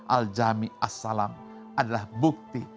al jami as salam adalah bukti